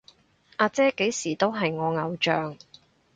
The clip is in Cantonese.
阿姐幾時都係我偶像